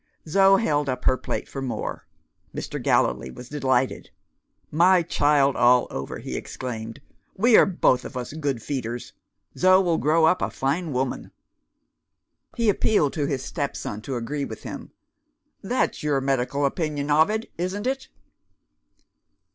Zo held out her plate for more. Mr. Gallilee was delighted. "My child all over!" he exclaimed. "We are both of us good feeders. Zo will grow up a fine woman." He appealed to his stepson to agree with him. "That's your medical opinion, Ovid, isn't it?"